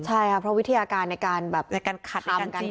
ใช่ครับเพราะวิธีอาการในการทำการขัด